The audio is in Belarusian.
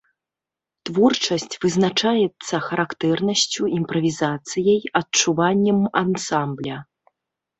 Творчасць вызначаецца характарнасцю, імправізацыяй, адчуваннем ансамбля.